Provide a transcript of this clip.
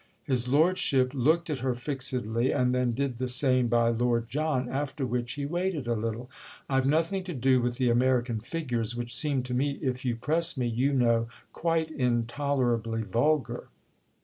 His lordship looked at her fixedly and then did the same by Lord John, after which he waited a little. "I've nothing to do with the American figures—which seem to me, if you press me, you know, quite intolerably vulgar."